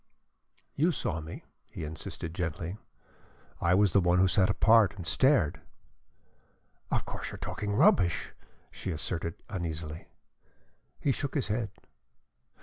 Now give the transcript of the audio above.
"You saw me," he insisted gently. "I was the one who sat apart and stared." "Of course you are talking rubbish!" she asserted, uneasily. He shook his head.